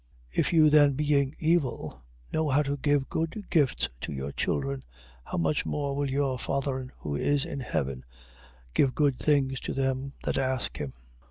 7:11. If you then being evil, know how to give good gifts to your children: how much more will your Father who is in heaven, give good things to them that ask him?